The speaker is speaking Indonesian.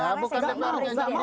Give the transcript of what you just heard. tidak mau tidak mau